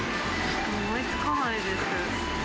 思いつかないです。